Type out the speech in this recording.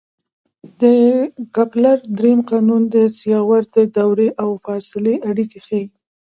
د کپلر درېیم قانون د سیارو د دورې او فاصلې اړیکې ښيي.